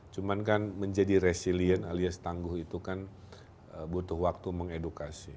cuman kan menjadi resilient alias tangguh itu kan butuh waktu mengedukasi